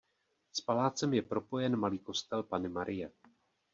S palácem je propojen malý kostel Panny Marie.